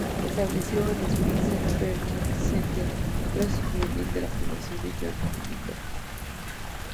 Estableció el Spencer Perkins Center, brazo juvenil de la Fundación John M. Perkins.